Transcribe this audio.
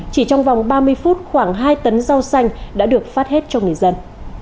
chỉ trong vòng ba mươi phút khoảng hai tấn rau xanh đã được phát hết cho người dân